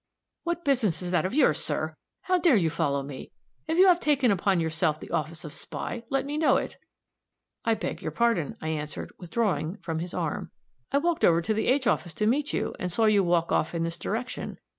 "What business is that of yours, sir? How dare you follow me? If you have taken upon yourself the office of spy, let me know it." "I beg your pardon," I answered, withdrawing from his arm, "I walked over to the H office to meet you, and saw you walk off in this direction.